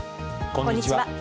こんにちは。